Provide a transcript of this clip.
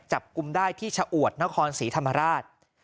จับกลุ่มได้ที่ชะอวดนครศรีธรรมราช